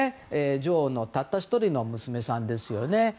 女王のたった１人の娘さんですよね。